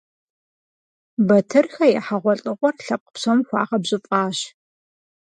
Батырхэ я хьэгъуэлӀыгъуэр лъэпкъ псом хуагъэбжьыфӀащ.